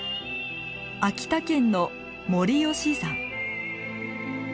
秋田県の森吉山。